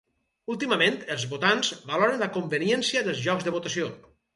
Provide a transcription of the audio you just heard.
Últimament, els votants valoren la conveniència dels llocs de votació.